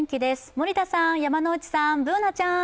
森田さん、山内さん、Ｂｏｏｎａちゃん。